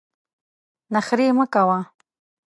نخرې مه کوه !